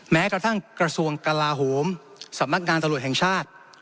แม้กระทั่งกระทรวงกลาโหมสำนักงานตำรวจแห่งชาติ